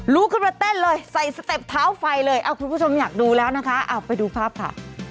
ลุกขึ้นมาเต้นเลยใส่สเต็ปเท้าไฟเลยคุณผู้ชมอยากดูแล้วนะคะเอาไปดูภาพค่ะ